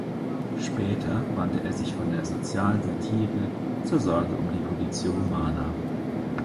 Später wandte er sich von der sozialen Satire zur Sorge um die Conditio humana.